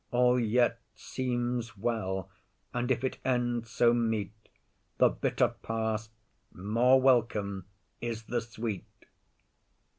All yet seems well, and if it end so meet, The bitter past, more welcome is the sweet.